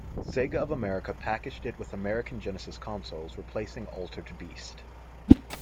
Sega of America packaged it with American Genesis consoles, replacing "Altered Beast".